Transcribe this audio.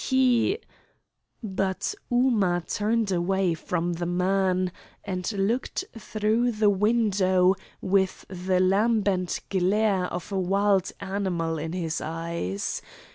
He " But Ooma turned away from the man, and looked through the window, with the lambent glare of a wild animal in his eyes.